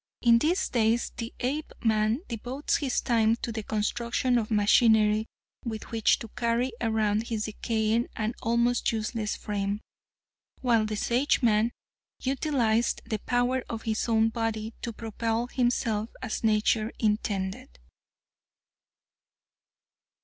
In these days, the Apeman devotes his time to the construction of machinery with which to carry around his decaying and almost useless frame, while the Sageman utilized the power of his own body to propel himself as nature intended.